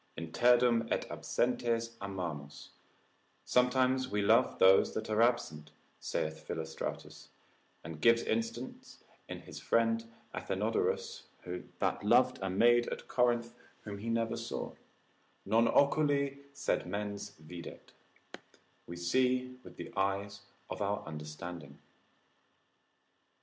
Interdum et absentes amamus, sometimes we love those that are absent, saith Philostratus, and gives instance in his friend Athenodorus, that loved a maid at Corinth whom he never saw; non oculi sed mens videt, we see with the eyes of our understanding.